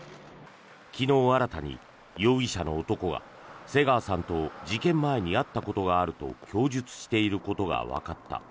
昨日、新たに容疑者の男が瀬川さんと事件前に会ったことがあると供述していることがわかった。